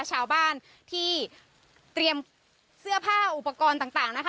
ชาวบ้านที่เตรียมเสื้อผ้าอุปกรณ์ต่างนะคะ